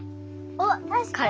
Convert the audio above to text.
おっ確かに。